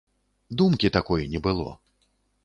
Думкі такой не было.